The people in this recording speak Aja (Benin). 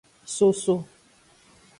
Soso.